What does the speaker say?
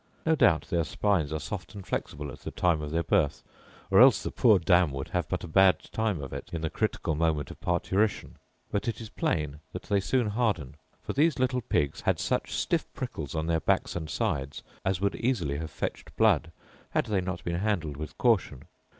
No doubt their spines are soft and flexible at the time of their birth, or else the poor dam would have but a bad time of it in the critical moment of parturition: but it is plain that they soon harden; for these little pigs had such stiff prickles on their backs and sides as would easily have fetched blood, had they not been handled with caution.